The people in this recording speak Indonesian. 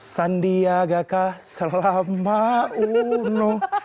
sandiaga ka selama uno